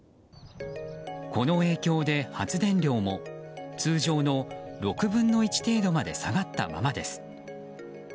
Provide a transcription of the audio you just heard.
この影響で発電量も通常の６分の１程度まで下がったままです。